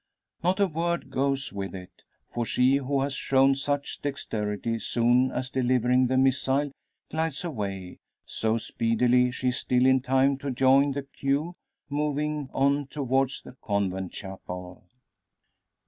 Not a word goes with it; for she who has shown such dexterity, soon as delivering the missile, glides away; so speedily she is still in time to join the queue moving on towards the convent chapel.